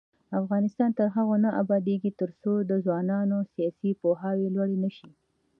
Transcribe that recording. افغانستان تر هغو نه ابادیږي، ترڅو د ځوانانو سیاسي پوهاوی لوړ نشي.